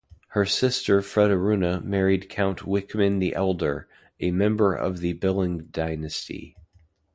Her sister Frederuna married Count Wichmann the Elder, a member of the Billung dynasty.